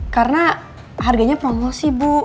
karena harganya promosi bu